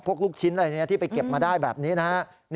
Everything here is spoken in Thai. ลูกชิ้นอะไรที่ไปเก็บมาได้แบบนี้นะครับ